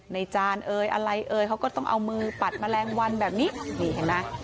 จานเอ่ยอะไรเอ่ยเขาก็ต้องเอามือปัดแมลงวันแบบนี้นี่เห็นไหม